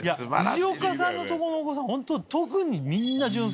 藤岡さんのとこのお子さんホント特に。